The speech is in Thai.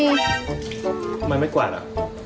ทำไมไม่กวาดอ่ะ